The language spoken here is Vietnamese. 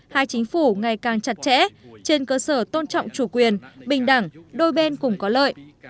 hai chính phủ ngày càng chặt chẽ trên cơ sở tôn trọng chủ quyền bình đẳng đôi bên cũng có lợi